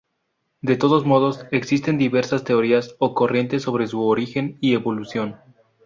De todos modos, existen diversas teorías o corrientes sobre su origen y evolución.